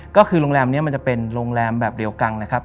ก็คือโรงแรมนี้มันจะเป็นโรงแรมแบบเดียวกันนะครับ